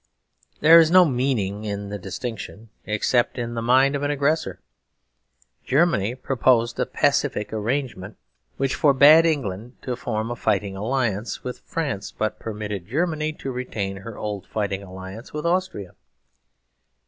There is no meaning in the distinction, except in the mind of an aggressor. Germany proposed a pacific arrangement which forbade England to form a fighting alliance with France, but permitted Germany to retain her old fighting alliance with Austria.